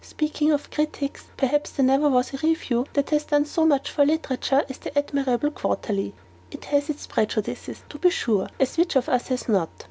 Speaking of critics, perhaps there never was a review that has done so much for literature as the admirable QUARTERLY. It has its prejudices, to be sure, as which of us has not?